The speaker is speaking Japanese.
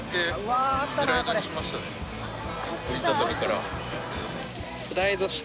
折り畳みから。